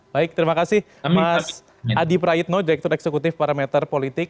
baik terima kasih mas adi praitno direktur eksekutif parameter politik